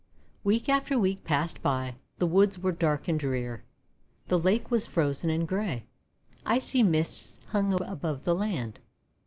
Week after week passed by. The woods were dark and drear. The lake was frozen and grey. Icy mists hung above the land.